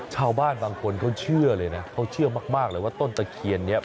ชาวบ้านบางคนเขาเชื่อเลยนะเขาเชื่อมากเลยว่าต้นตะเคียนนี้